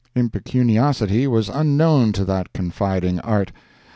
Impecuniosity was unknown to that confiding 'art.